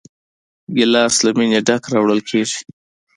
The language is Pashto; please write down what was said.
ګیلاس له مینې ډک راوړل کېږي.